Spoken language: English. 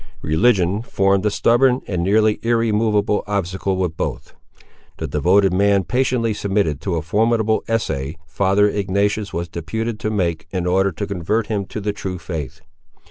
Religion formed a stubborn and nearly irremovable obstacle with both. The devoted man patiently submitted to a formidable essay, father Ignatius was deputed to make in order to convert him to the true faith.